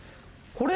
これ。